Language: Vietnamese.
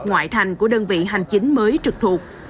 ngoại thành của đơn vị hành chính mới trực thuộc